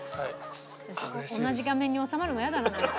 私同じ画面に収まるの嫌だななんか。